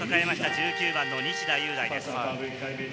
１９番の西田優大です。